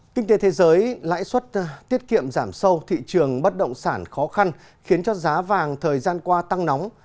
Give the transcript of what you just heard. kinh tế thế giới lãi suất tiết kiệm giảm sâu thị trường bất động sản khó khăn khiến cho giá vàng thời gian qua tăng nóng